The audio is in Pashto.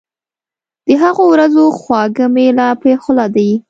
د هغو ورځو خواږه مي لا په خوله دي